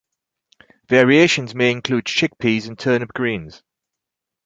Variations may include chickpeas and turnip greens.